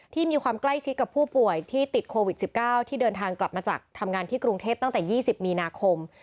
มีความใกล้ชิดกับผู้ป่วยที่ติดโควิด๑๙ที่เดินทางกลับมาจากทำงานที่กรุงเทพตั้งแต่๒๐มีนาคม